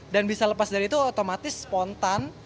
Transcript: dan bisa lepas dari itu otomatis spontan